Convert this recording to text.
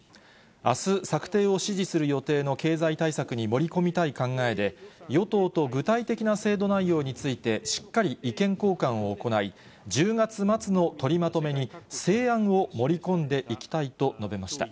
あす策定を指示する予定の経済対策に盛り込みたい考えで、与党と具体的な制度内容について、しっかり意見交換を行い、１０月末の取りまとめに、成案を盛り込んでいきたいと述べました。